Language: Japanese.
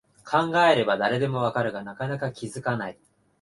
考えれば誰でもわかるが、なかなか気づかない